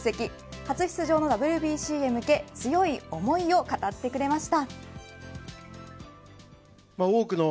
初出場のＷＢＣへ向け強い思いを語ってくれました。